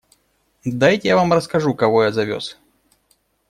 Дайте я вам расскажу, кого я завез.